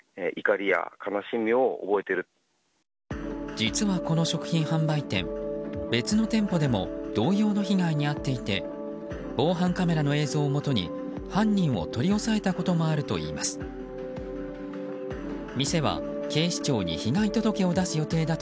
実は、この食品販売店別の店舗でも同様の被害に遭っていて防犯カメラの映像をもとに犯人を取り押さえたこともあると続いてはお天気です。